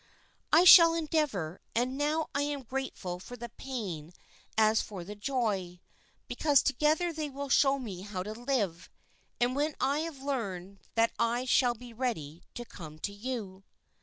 "I shall endeavor, and now I am as grateful for the pain as for the joy, because together they will show me how to live, and when I have learned that I shall be ready to come to you."